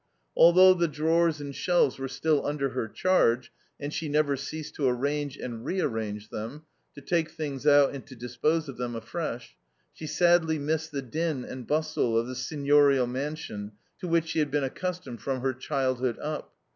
Although the drawers and shelves were still under her charge, and she never ceased to arrange and rearrange them to take things out and to dispose of them afresh she sadly missed the din and bustle of the seignorial mansion to which she had been accustomed from her childhood up.